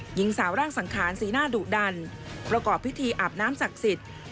หญิงสาวร่างสังขารสีหน้าดุดันประกอบพิธีอาบน้ำศักดิ์สิทธิ์